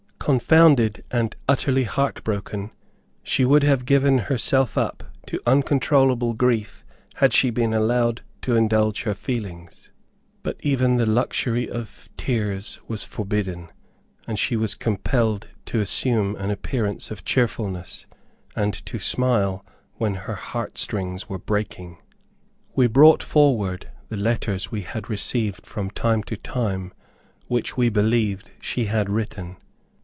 Confounded and utterly heart broken, she would have given herself up to uncontrollable grief had she been allowed to indulge her feelings. But even the luxury of tears was forbidden, and she was compelled to assume an appearance of cheerfulness, and to smile when her heart strings were breaking. We brought forward the letters we had received from time to time which we believed she had written.